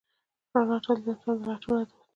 رڼا تل د انسان د لټون هدف دی.